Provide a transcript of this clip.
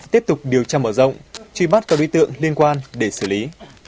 tiếp tục điều tra mở rộng truy bắt các đối tượng liên quan để xử lý